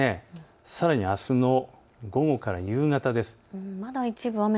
さらにあすの午後から夕方です。